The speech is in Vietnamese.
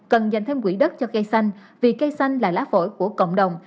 cần dành thêm quỹ đất cho cây xanh vì cây xanh là lá phổi của cộng đồng